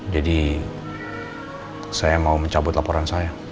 jadi saya mau mencabut laporan saya